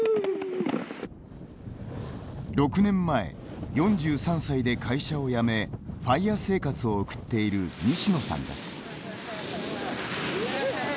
６年前、４３歳で会社を辞めＦＩＲＥ生活を送っている西野さんです。